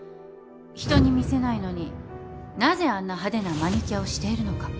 人に見せないのになぜあんな派手なマニキュアをしているのか。